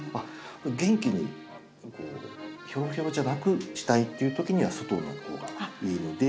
元気にひょろひょろじゃなくしたいっていう時には外の方がいいので。